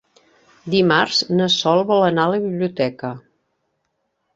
Dimarts na Sol vol anar a la biblioteca.